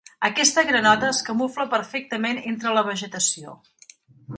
Aquesta granota es camufla perfectament entre la vegetació.